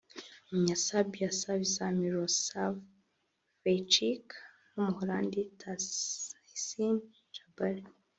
Umunya Sebia Savisa Milosavljevic n’Umuholandi Tahseen Jabbary